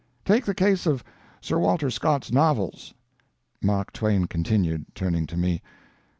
"Take the case of Sir Walter Scott's novels," Mark[Pg 174] Twain continued, turning to me.